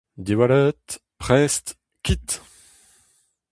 Diwallit, prest, kit !